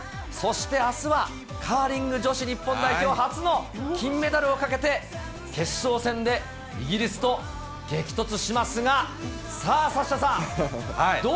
そしてあすは、カーリング女子日本代表、初の金メダルをかけて、決勝戦でイギリスと激突しますが、さあサッシャさん。